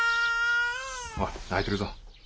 ・おい泣いてるぞ。